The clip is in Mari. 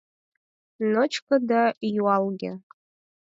Ночко да юалге.